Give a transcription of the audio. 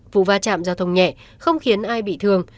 vụ va chạm giao thông nhẹ không khiến ai bị thương